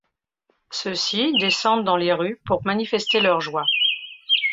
Ceux-ci descendent dans les rues pour manifester leur joie.